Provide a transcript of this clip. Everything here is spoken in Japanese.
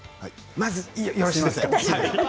まずよろしいですか？